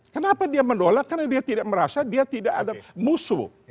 kenapa dia menolak karena dia tidak merasa dia tidak ada musuh